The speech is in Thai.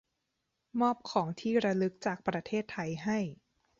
มอบของที่ระลึกจากประเทศไทยให้